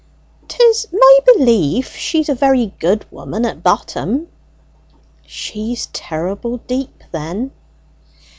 '" "'Tis my belief she's a very good woman at bottom." "She's terrible deep, then."